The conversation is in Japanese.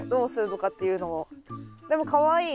でもかわいい。